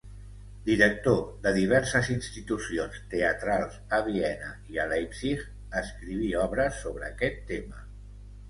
Director de diverses institucions teatrals a Viena i a Leipzig, escriví obres sobre aquest tema.